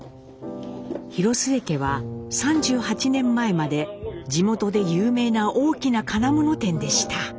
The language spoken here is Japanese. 広末家は３８年前まで地元で有名な大きな金物店でした。